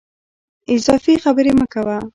اضافي خبري مه کوه !